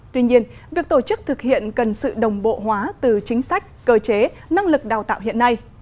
tuy nhiên việc tổ chức thực hiện cần sự đồng bộ hóa từ chính sách cơ chế năng lực đào tạo hiện nay